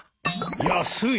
安い。